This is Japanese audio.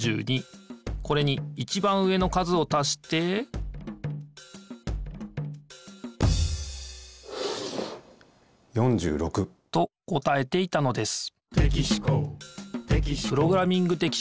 これにいちばん上の数をたして４６。と答えていたのです